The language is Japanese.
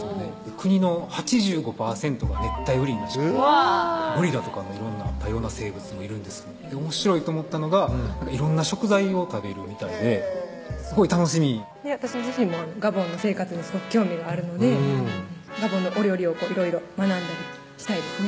国の８５％が熱帯雨林らしくてゴリラとかの色んな多様な生物もいるんですおもしろいと思ったのが色んな食材を食べるみたいですごい楽しみ私自身もガボンの生活にすごく興味があるのでガボンのお料理をいろいろ学んだりしたいですね